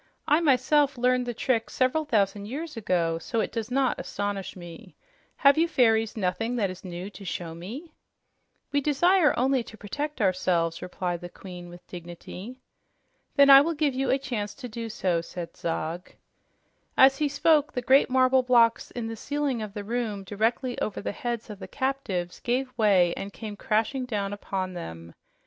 "I myself learned the trick several thousand years ago, so it does not astonish me. Have you fairies nothing that is new to show me?" "We desire only to protect ourselves," replied the Queen with dignity. "Then I will give you a chance to do so," said Zog. As he spoke, the great marble blocks in the ceiling of the room directly over the heads of the captives gave way and came crashing down upon them.